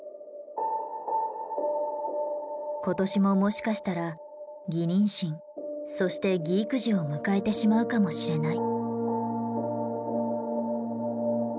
今年ももしかしたら偽妊娠そして偽育児を迎えてしまうかもしれない。